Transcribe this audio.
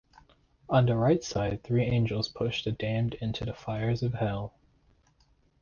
On the right side, three angels push the damned into the fires of hell.